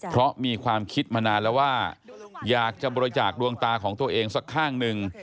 เพราะมีความคิดมานานแล้วว่าอยากจะบริจาคดวงตาของตัวเองสักข้างหนึ่ง